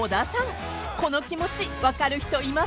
［この気持ち分かる人いますか？］